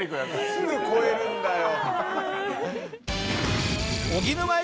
すぐ超えるんだよ。